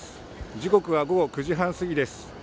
時刻は午後９時半過ぎです。